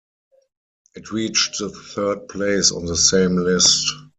It reached the third place on the same list.